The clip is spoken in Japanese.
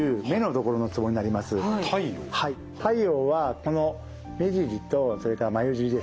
太陽はこの目尻とそれからまゆ尻ですね